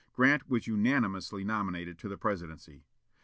Grant was unanimously nominated to the presidency.